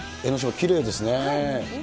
きれいですね。